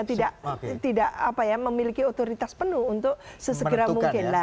tidak memiliki otoritas penuh untuk sesegera mungkin lah